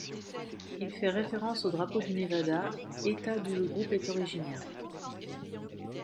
Il fait référence au drapeau du Nevada, état d'où le groupe est originaire.